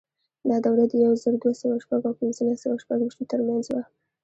دا دوره د یو زر دوه سوه شپږ او پنځلس سوه شپږویشت ترمنځ وه.